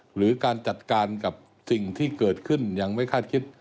หรือการจัดการกับสิ่งที่เกิดขึ้นยังไม่คาดคิด